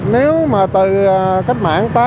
nếu mà từ cách mảng tám